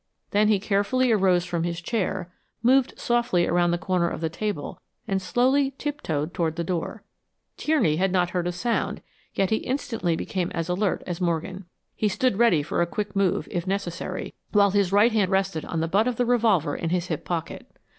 Then he carefully arose from his chair, moved softly around the corner of the table, and slowly tiptoed toward the door. Tierney had not heard a sound, yet he instantly became as alert as Morgan. He stood ready for a quick move, if necessary, while his right hand rested on the butt of the revolver in his hip pocket.